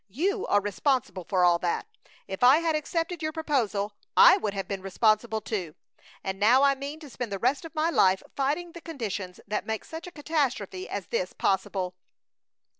You are responsible for all that! If I had accepted your proposal I would have been responsible, too. And now I mean to spend the rest of my life fighting the conditions that make such a catastrophe as this possible!"